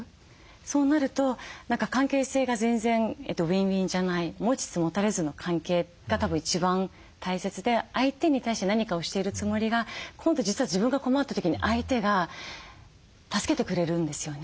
そうなると何か関係性が全然ウィンウィンじゃない持ちつ持たれつの関係がたぶん一番大切で相手に対して何かをしているつもりが今度実は自分が困った時に相手が助けてくれるんですよね。